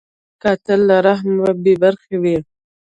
قاتل له رحم بېبرخې وي